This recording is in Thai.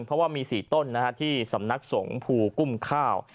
เพราะว่ามี๔ต้นที่สำนักสงภูกุ้มข้าว